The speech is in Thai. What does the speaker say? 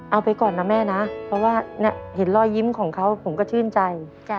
เอาไปก่อนนะแม่นะเพราะว่าเห็นรอยยิ้มของเขาผมก็ชื่นใจ